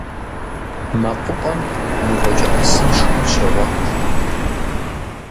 МэкъупӀэм мывэкӀэпысым шхын щегъуэт.